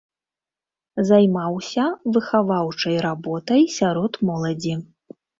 Займаўся выхаваўчай работай сярод моладзі.